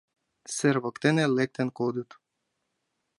Сер воктене лектын кодыт